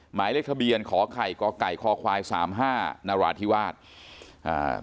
หมายเลขทะเบียนขอไข่ก่อไก่คอควายสามห้านราธิวาสอ่า